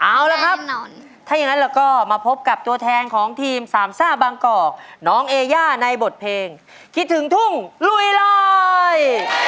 เอาละครับถ้าอย่างนั้นเราก็มาพบกับตัวแทนของทีมสามซ่าบางกอกน้องเอย่าในบทเพลงคิดถึงทุ่งลุยลอย